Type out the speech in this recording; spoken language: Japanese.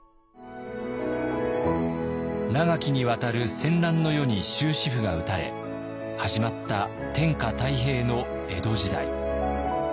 長きにわたる戦乱の世に終止符が打たれ始まった天下太平の江戸時代。